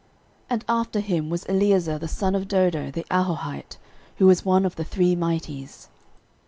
13:011:012 And after him was Eleazar the son of Dodo, the Ahohite, who was one of the three mighties.